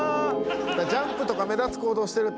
ジャンプとか目立つ行動してると。